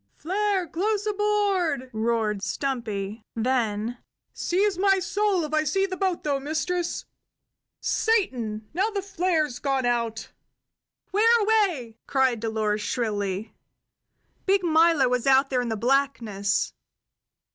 "Flare close aboard!" roared Stumpy; then: "Seize my soul if I see the boat, though, mistress. Satan! Now the flare's gone out!" "Whereaway?" cried Dolores shrilly. Big Milo was out there in the blackness.